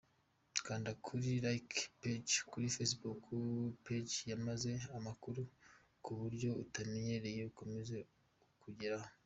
Kanda kuri 'Like Page' kuri facebook page y' maze amakuru kuburyo utamenyereye akomeze akugereho.